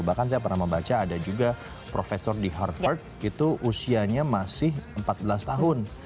bahkan saya pernah membaca ada juga profesor di harvard itu usianya masih empat belas tahun